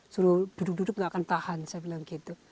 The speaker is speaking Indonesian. sudah duduk duduk enggak akan tahan saya bilang gitu